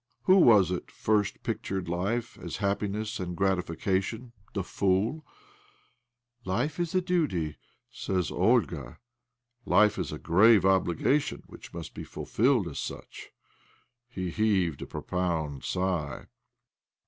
Who was it first pictured life as happiness and gratification? The fool !' Life is a duty,' says Oliga. ' Life is a grave obligation which must be fulfilled as such.' " He heaved a profound sigh.